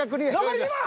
残り２問！